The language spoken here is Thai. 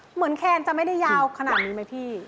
แคนจะไม่ได้ยาวขนาดนี้ไหมพี่